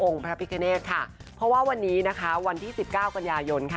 พระพิคเนธค่ะเพราะว่าวันนี้นะคะวันที่สิบเก้ากันยายนค่ะ